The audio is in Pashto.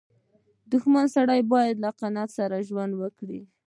• شتمن سړی باید له قناعت سره ژوند وکړي.